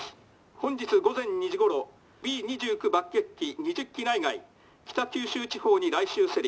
本日午前２時ごろＢ２９爆撃機２０機内外北九州地方に来襲せり」。